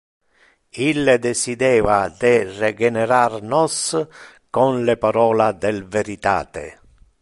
Ille decideva de regenerar nos con le parola del veritate.